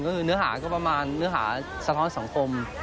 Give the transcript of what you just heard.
ก็คือเนื้อหาก็ประมาณเนื้อหาสะท้อนสังคม